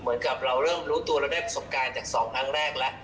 เหมือนกับเรารู้ตัวแล้วได้ประสบการณ์แต่๒ครั้งแรกแล้ว